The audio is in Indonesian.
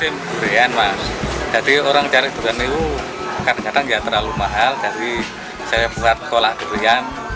makanan kadang tidak terlalu mahal jadi saya membuat kolak durian